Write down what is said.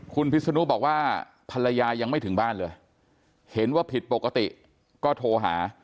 คุณพิศนุบอกว่าภรรยายังไม่ถึงบ้านเลยเห็นว่าผิดปกติก็โทรหา